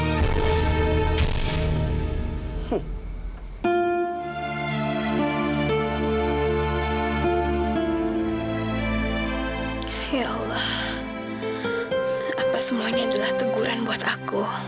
ya allah apa semuanya adalah teguran buat aku